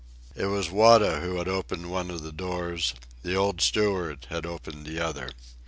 It was Wada who had opened one of the doors. The old steward had opened the other.